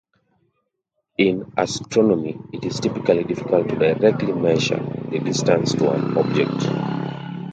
In astronomy, it is typically difficult to directly measure the distance to an object.